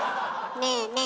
ねえねえ